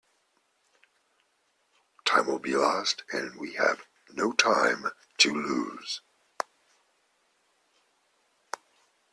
Time will be lost, and we have no time to lose.